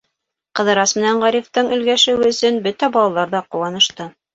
Ҡыҙырас менән Ғарифтың өлгәшеүе өсөн бөтә балалар ҙа ҡыуанышты.